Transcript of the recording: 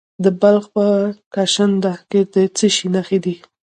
د بلخ په کشنده کې د څه شي نښې دي؟